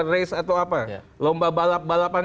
race atau apa lomba balap balapan